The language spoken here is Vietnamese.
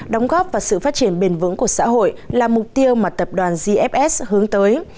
đóng góp vào sự phát triển bền vững của xã hội là mục tiêu mà tập đoàn gfs hướng tới